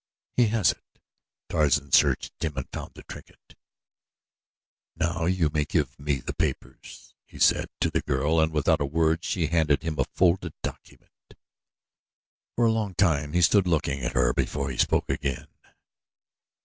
"He has it." Tarzan searched him and found the trinket. "Now you may give me the papers," he said to the girl, and without a word she handed him a folded document. For a long time he stood looking at her before ho spoke again.